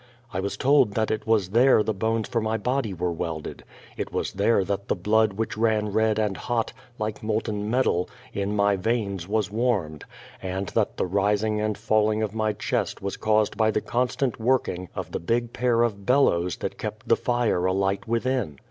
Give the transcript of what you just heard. I was told that it was there the bones for my body were welded ; it was there that the blood which ran red and hot like molten metal in my veins was warmed, and that the rising and falling of my chest was caused by the constant working of the big pair of bellows that kept the fire alight within.